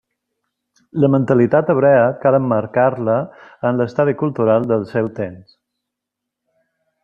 La mentalitat hebrea cal emmarcar-la en l'estadi cultural del seu temps.